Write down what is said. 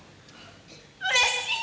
うれしい。